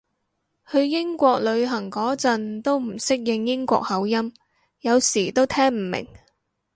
去英國旅行嗰陣都唔適應英國口音，有時都聽唔明